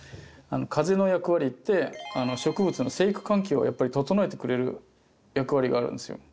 風の役割って植物の生育環境をやっぱり整えてくれる役割があるんですよ。